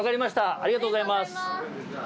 ありがとうございます！